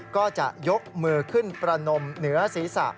ก็จะยกมือขึ้นประนมเหนือศีรษะ